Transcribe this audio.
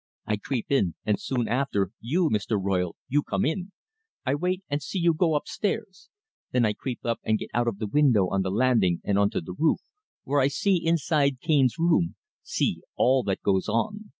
I creep in, and soon after you, Mr. Royle, you come in. I wait and see you go upstairs. Then I creep up and get out of the window on the landing and on to the roof, where I see inside Cane's room see all that goes on.